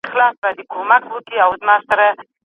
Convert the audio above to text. هیله ده چي نړۍ کي سوله راشي.